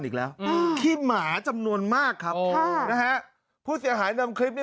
อีกแล้วอืมขี้หมาจำนวนมากครับค่ะนะฮะผู้เสียหายนำคลิปนี้